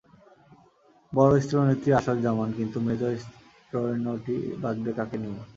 বড়ো স্ত্রৈণটি আসর জমান কিন্তু মেজো স্ত্রৈণটি বাঁচবে কাকে নিয়ে?